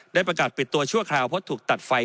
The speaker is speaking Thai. ประกาศปิดตัวชั่วคราวเพราะถูกตัดไฟ